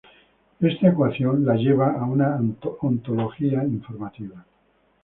Esta ecuación la lleva a una ontología informativa.